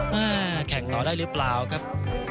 แหน่แข่งต่อได้รึเปล่าครับ